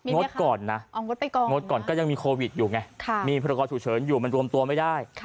ดก่อนนะงดก่อนก็ยังมีโควิดอยู่ไงมีพรกรฉุกเฉินอยู่มันรวมตัวไม่ได้